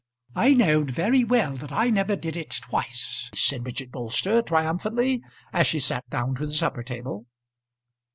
"I know'd very well that I never did it twice," said Bridget Bolster triumphantly, as she sat down to the supper table.